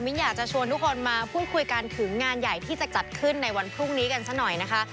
อยากจะชวนทุกคนมาพูดคุยกันถึงงานใหญ่ที่จะจัดขึ้นในวันพรุ่งนี้กันซะหน่อยนะคะ